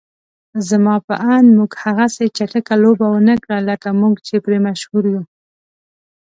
زما په اند موږ هغسې چټکه لوبه ونکړه لکه موږ چې پرې مشهور يو.